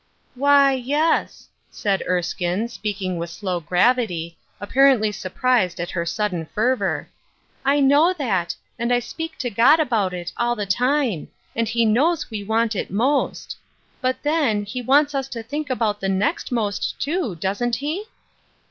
"Why, yes," said Erskine, speaking with slow 298 " NEXT MOST »> gravity, apparently surprised at her sudden fervor, " I know that, and I speak to God about it all the time, and He knows we want it most ; but then, He wants us to think about the next most, too, doesn't He?"